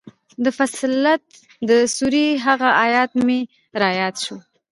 د فصلت د سورې هغه ايت مې راياد سو.